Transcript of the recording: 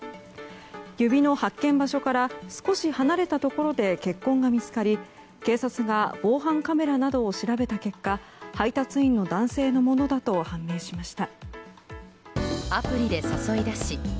指の発見場所から少し離れたところで血痕が見つかり警察が防犯カメラなどを調べた結果配達員の男性のものだと判明しました。